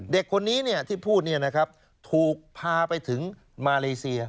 เด็กคนนี้ที่พูดถูกพาไปถึงมาเลเซีย